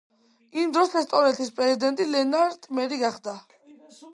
იმდროს ესტონეთის პრეზიდენტი ლენარტ მერი გახდა.